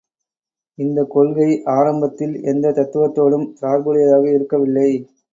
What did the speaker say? இந்தக் கொள்கை, ஆரம்பத்தில் எந்தத் தத்துவத்தோடும் சார்புடையதாக இருக்கவில்லை.